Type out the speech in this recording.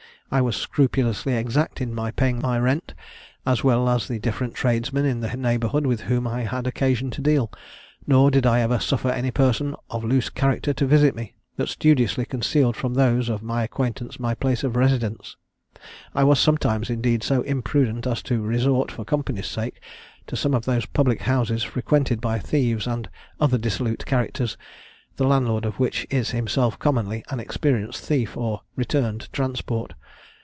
I was scrupulously exact in paying my rent, as well as the different tradesmen in the neighbourhood with whom I had occasion to deal; nor did I ever suffer any person of loose character to visit me, but studiously concealed from those of my acquaintance my place of residence. I was sometimes, indeed, so imprudent as to resort, for company's sake, to some of those public houses frequented by thieves and other dissolute characters, the landlord of which is himself commonly an experienced thief, or returned transport.